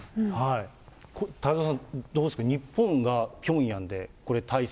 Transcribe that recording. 太蔵さん、どうですか、日本がピョンヤンで、これ、対戦。